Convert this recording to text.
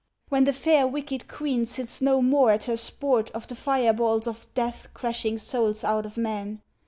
When the fair wicked queen sits no more at her sport Of the fire balls of death crashing souls out of men?